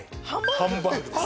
ハンバーグです。